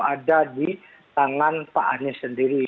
ada di tangan pak anies sendiri